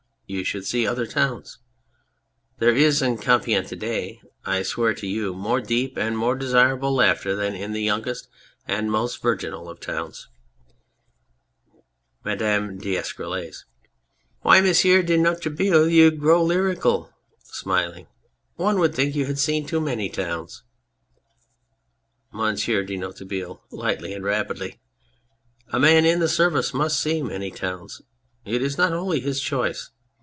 You should see other towns ! There is in Compiegne to day, I swear to you, more deep and more desirable laughter than in the youngest and most virginal of towns ! MADAME D'ESCUROLLES Why, M. de Noiretable, you grow lyrical ! (Smiling.} One would think you had seen too many towns ! MONSIEUR DE NOIRETABLE (lightly and rapidly). A man in the Service must see many towns. ... It is not wholly his choice.